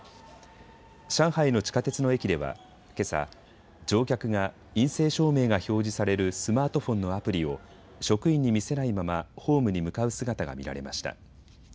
上海の地下鉄の駅ではけさ、乗客が陰性証明が表示されるスマートフォンのアプリを職員に見せないままホームに向かう姿が見られました。